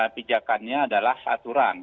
pijakannya adalah aturan